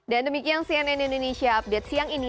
dan demikian cnn indonesia update siang ini